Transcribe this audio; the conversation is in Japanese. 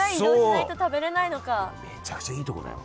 めちゃくちゃいいとこだよ。